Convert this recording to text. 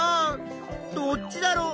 どっちだろう？